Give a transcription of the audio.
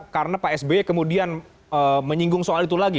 karena pak sby kemudian menyinggung soal itu lagi